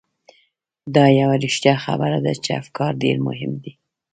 دا یوه رښتیا خبره ده چې افکار ډېر مهم دي.